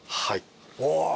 はい。